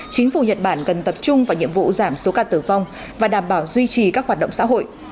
chính phủ nhật bản cần tập trung vào nhiệm vụ giảm số ca tử vong và đảm bảo duy trì các hoạt động xã hội